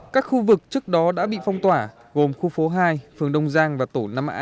các khu vực trước đó đã bị phong tỏa gồm khu phố hai phường đông giang và tổ năm a